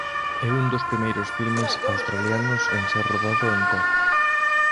É un dos primeiros filmes australianos en ser rodado en cor.